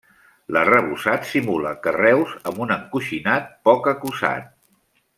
L'arrebossat simula carreus amb un encoixinat poc acusat.